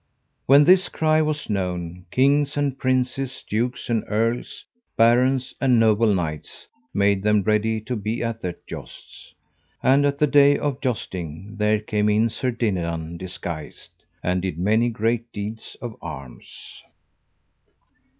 When this cry was known, kings and princes, dukes and earls, barons and noble knights, made them ready to be at that jousts. And at the day of jousting there came in Sir Dinadan disguised, and did many great deeds of arms.